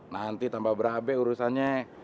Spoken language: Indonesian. nanti tambah berabe urusannya